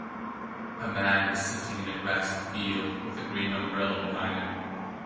A man is sitting in a grassy field with a green umbrella behind him.